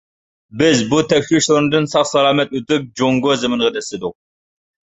بىز بۇ تەكشۈرۈش ئورنىدىن ساق-سالامەت ئۆتۈپ جۇڭگو زېمىنىغا دەسسىدۇق.